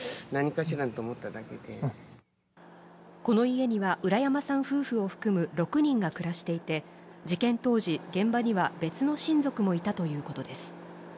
この家には浦山さん夫婦を含む６人が暮らしていて、事件当時、現場には別の親族もいたということです。